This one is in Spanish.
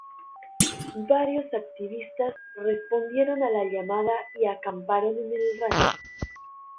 Varios activistas respondieron a la llamada y acamparon en el rancho.